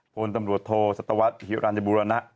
พลตำรวจโทสัตวรรษิรัญบุรณะ